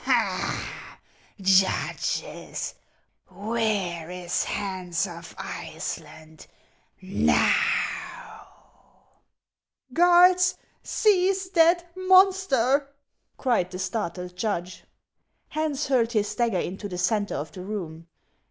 " Ha ! judges, where is Hans of Iceland now ?"" Guards, seize that monster !" cried the startled judge. Hans hurled his dagger into the centre of the room.